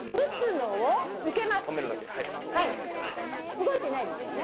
動いてないですよね。